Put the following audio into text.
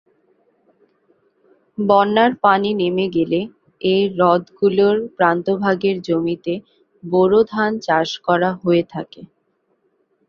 বন্যার পানি নেমে গেলে এ হ্রদগুলির প্রান্তভাগের জমিতে বোরো ধান চাষ করা হয়ে থাকে।